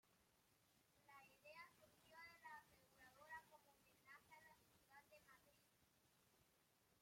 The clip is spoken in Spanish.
La idea surgió de la aseguradora como homenaje a la ciudad de Madrid.